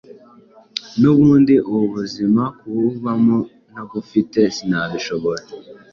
Nubundi ubu buzima kububamo ntagufitee sinabishobora